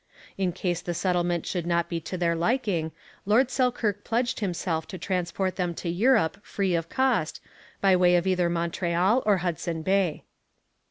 In case the settlement should not be to their liking, Lord Selkirk pledged himself to transport them to Europe free of cost, by way of either Montreal or Hudson Bay.